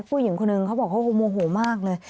ผู้หญิงคนนึงเขาบอกว่าโหโหมากเลย